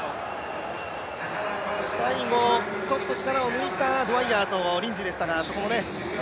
最後、ちょっと力を抜いたドウァイヤーとリンジーでしたが。